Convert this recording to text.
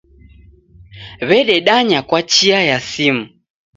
W'ededanya kwa chia ya simu.